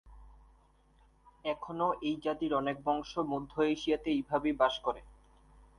এখনও এই জাতির অনেক বংশ মধ্য-এশিয়াতে এই ভাবেই বাস করে।